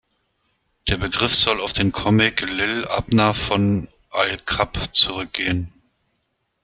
Der Begriff soll auf den Comic Li’l Abner von Al Capp zurückgehen.